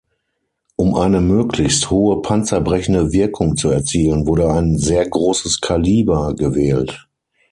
Um eine möglichst hohe panzerbrechende Wirkung zu erzielen, wurde ein sehr großes Kaliber gewählt.